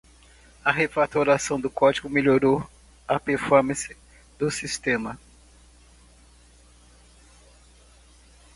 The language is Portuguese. A refatoração do código melhorou a performance do sistema.